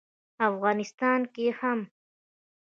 افغانستان کې هم